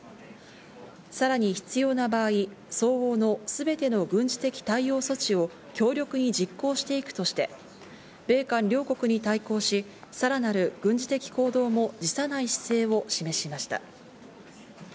さらに必要な場合、相応のすべての軍事的対応措置を強力に実行していくとして、米韓両国に対抗し、さらなる軍事的行動も辞さない姿勢を示しました。